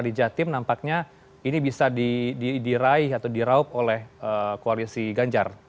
di jatim nampaknya ini bisa diraih atau diraup oleh koalisi ganjar